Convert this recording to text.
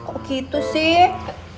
kok gitu sih